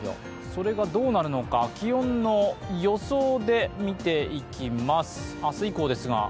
それがどうなるのか、気温の予想で見ていきます。